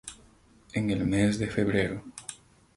En el mes de febrero.